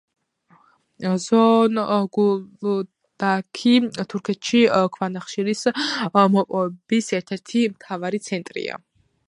ზონგულდაქი თურქეთში ქვანახშირის მოპოვების ერთ-ერთი მთავარი ცენტრია.